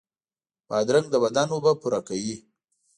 بادرنګ د بدن اوبه پوره کوي.